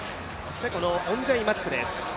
チェコのオンジェイ・マチクです。